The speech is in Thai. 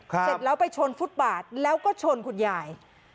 เสร็จแล้วไปชนฟุตบาทแล้วก็ชนคุณยาย